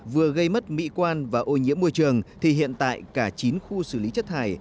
vừa gây mất mỹ quan và ô nhiễm môi trường thì hiện tại cả chín khu xử lý chất thải